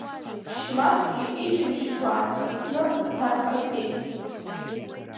Шьмафгьы иџьымшьқәа ааҵархәны аҭак ҟаиҵеит.